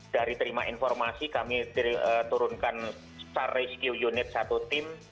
dari terima informasi kami turunkan star rescue unit satu tim